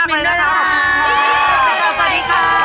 เฮ้ย